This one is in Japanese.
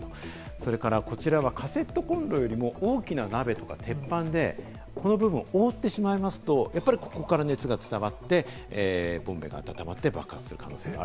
それから、こちらはカセットコンロよりも大きな鍋とか鉄板でこの部分を覆ってしまいますと、ここから熱が伝わって、ボンベが温まって爆発する可能性がある。